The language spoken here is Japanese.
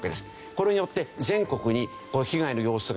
これによって全国に被害の様子が広がる。